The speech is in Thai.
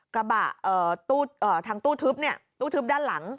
กระบะทางตู้ทึบตู้ทึบด้านหลัง